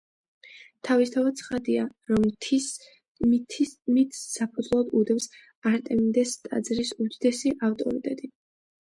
თავისთავად ცხადია, რომ მითს საფუძვლად უდევს არტემიდეს ტაძრის უდიდესი ავტორიტეტი.